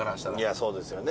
いやそうですよね。